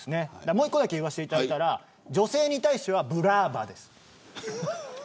もう１個だけ言わせていただくと女性に対してはブラーバです。